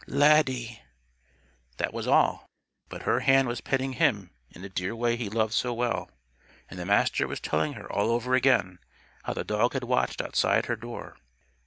Laddie!" That was all. But her hand was petting him in the dear way he loved so well. And the Master was telling her all over again how the dog had watched outside her door.